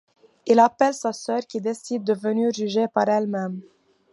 Il appelle sa sœur qui décide de venir juger par elle-même.